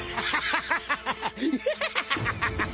ハハハハ！